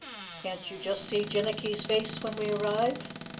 Can't you just see Jinnicky's face when we arrive?